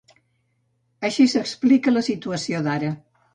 Així s’explica la situació d’ara.